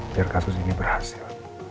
biar kasus ini berhasil